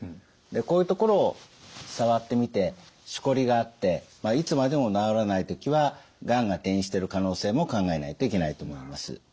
でこういうところを触ってみてしこりがあっていつまでも治らない時はがんが転移してる可能性も考えないといけないと思います。